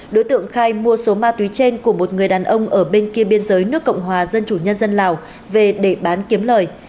đối tượng khai mua số ma túy trên của một người đàn ông ở bên kia biên giới nước cộng hòa dân chủ nhân dân lào về để bán kiếm lời